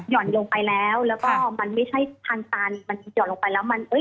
ลงไปแล้วแล้วก็มันไม่ใช่ทางตันมันหย่อนลงไปแล้วมันเอ้ย